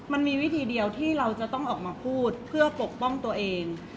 มันมีวิธีเดียวที่เราจะต้องออกมาพูดเพื่อปกป้องตัวเอง